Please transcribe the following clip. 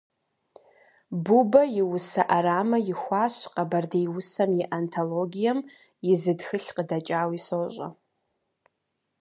Бубэ и усэ Ӏэрамэ ихуащ «Къэбэрдей усэм и антологием», и зы тхылъ къыдэкӀауи сощӀэ.